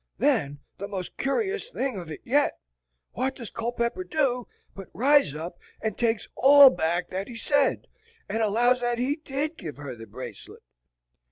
Then the most cur'o's thing of it yet, what does Culpepper do but rise up and takes all back that he said, and allows that he DID give her the bracelet.